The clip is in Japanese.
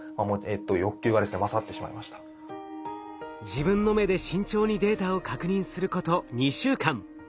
自分の目で慎重にデータを確認すること２週間。